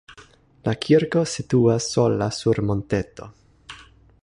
La kirko situas sola sur monteto.